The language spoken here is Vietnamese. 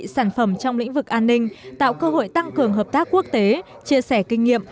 sản phẩm trong lĩnh vực an ninh tạo cơ hội tăng cường hợp tác quốc tế chia sẻ kinh nghiệm